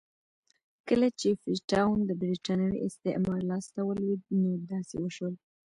کله چې فري ټاون د برېټانوي استعمار لاس ته ولوېد نو داسې وشول.